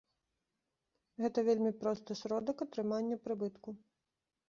Гэта вельмі просты сродак атрымання прыбытку.